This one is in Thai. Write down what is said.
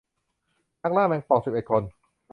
นักล่าแมงป่องสิบเอ็ดคน